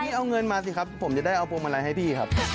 เอาเงินมาสิครับผมจะได้เอาพวงมาลัยให้พี่ครับ